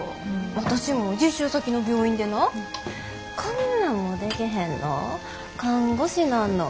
私も実習先の病院でな「こんなんもでけへんの？